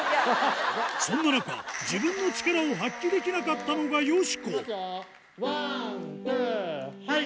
そんな中自分の力を発揮できなかったのがよしこワンツーはい！